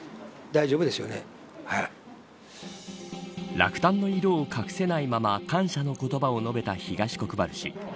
落胆の色を隠せないまま感謝の言葉を述べた東国原氏。